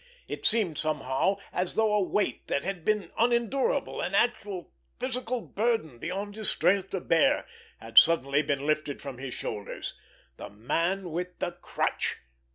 It seemed somehow as though a weight that had been unendurable, an actual physical burden beyond his strength to bear, had suddenly been lifted from his shoulders. The Man with the Crutch!